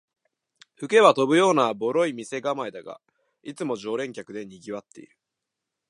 吹けば飛ぶようなボロい店構えだが、いつも常連客でにぎわってる